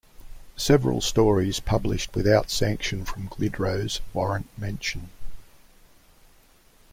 Several stories published without sanction from Glidrose warrant mention.